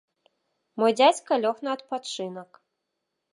Мой дзядзька лёг на адпачынак.